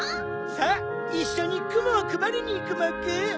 さぁいっしょにくもをくばりにいくモク！